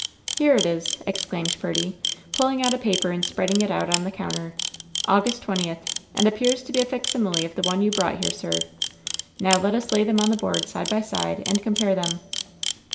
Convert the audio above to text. "Here it is!" exclaimed Purdy, pulling out a paper and spreading it out on the counter. "August 20th — and appears to be a facsimile of the one you brought here, sir. Now let us lay them on the board side by side and compare them."